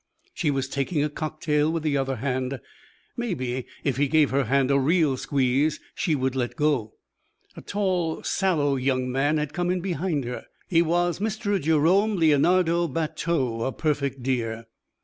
She was taking a cocktail with the other hand maybe if he gave her hand a real squeeze, she would let go. A tall, sallow young man had come in behind her; he was Mr. Jerome Leonardo Bateau, a perfect dear. Mrs.